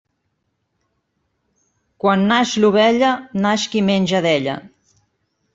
Quan naix l'ovella, naix qui menja d'ella.